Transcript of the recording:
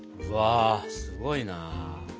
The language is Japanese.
うわすごいな。